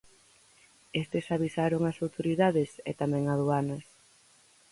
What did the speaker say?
Estes avisaron as autoridades e tamén a Aduanas.